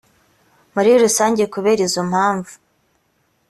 muri rusange kubera izo mpamvu